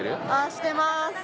してます。